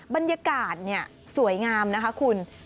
บรรยากาศเนี่ยสวยงามนะคุณ